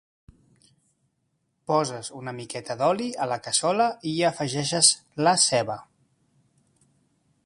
Poses una miqueta d'oli a la cassola i hi afegeixes la ceba.